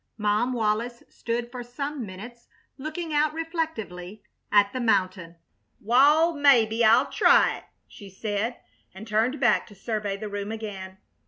Mom Wallis stood for some minutes looking out reflectively at the mountain. "Wal, mebbe I'll try it!" she said, and turned back to survey the room again.